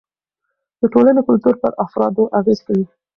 د ټولنې کلتور پر افرادو اغېز کوي.